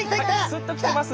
すっと来てます。